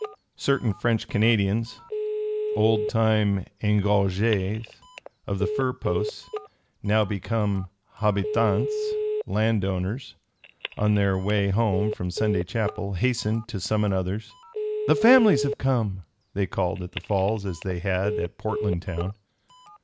Certain French Canadians, old time engagés of the fur posts, now become habitants, landowners, on their way home from Sunday chapel, hastened to summon others. "The families have come!" they called at the Falls, as they had at Portland town.